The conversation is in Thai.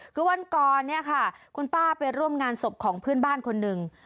คือวันก่อนเนี่ยค่ะคุณป้าไปร่วมงานศพของเพื่อนบ้านคนหนึ่ง